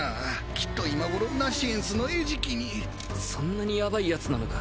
きっと今頃ナシエンスの餌食にそんなにヤバいヤツなのか？